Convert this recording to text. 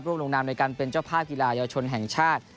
ลงนามในการเป็นเจ้าภาพกีฬาเยาวชนแห่งชาติ